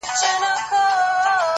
خوب كي گلونو ســـره شپـــــې تېــروم!